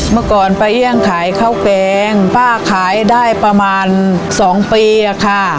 เมื่อก่อนป้าเอี่ยงขายข้าวแกงป้าขายได้ประมาณ๒ปีอะค่ะ